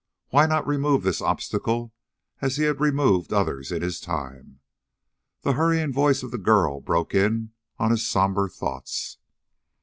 Why not remove this obstacle as he had removed others in his time. The hurrying voice of the girl broke in on his somber thoughts.